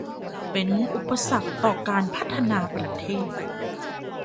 เป็นอุปสรรคต่อการพัฒนาประเทศ